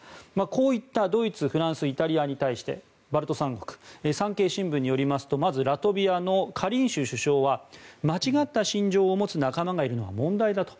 こういったドイツ、フランスイタリアに対してバルト三国は産経新聞によりますとまずラトビアのカリンシュ首相は間違った信条を持つ仲間がいるのは問題だと。